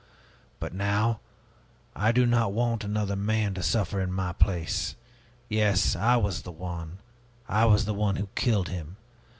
But now I do not want another man to suffer in my place. Yes, I was the one, I was the one who killed him!